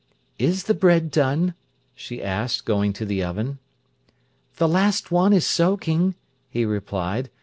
"Is the bread done?" she asked, going to the oven. "The last one is soaking," he replied.